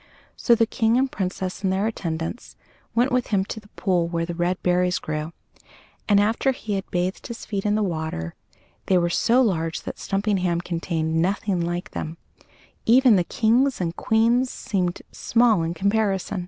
so the King and Princess and their attendants went with him to the pool where the red berries grew; and after he had bathed his feet in the water they were so large that Stumpinghame contained nothing like them, even the King's and Queen's seeming small in comparison.